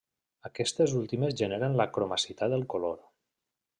Aquestes últimes generen la cromaticitat del color.